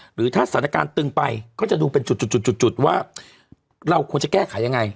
หรือถ้าสถานการณ์ตึงไปก็จะดูเป็นจุดว่าเราควรจะแก้ไขยังไง